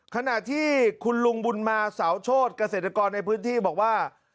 ขณะที่คุณลุงบุญมาสาวโชธเกษตรกรในพื้นที่บอกว่า